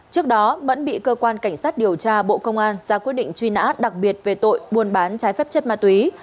trước đó mẫn bị cơ quan cảnh sát điều tra bộ công an ra quyết định truy nã đặc biệt về tội buôn bán trái phép chất ma túy